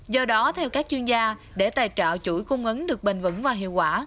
do đó theo các chuyên gia để tài trợ chuỗi cung ứng được bền vững và hiệu quả